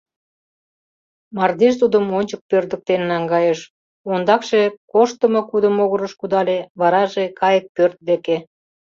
Мардеж тудым ончык пӧрдыктен наҥгайыш, ондакше коштымо-кудо могырыш кудале, вараже кайык пӧрт деке.